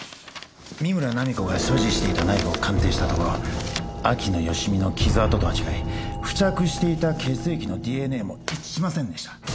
三村菜実子が所持していたナイフを鑑定したところ秋野芳美の傷痕とは違い付着していた血液のＤＮＡも一致しませんでした。